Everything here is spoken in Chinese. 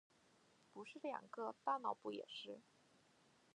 不是两个？大脑不也是？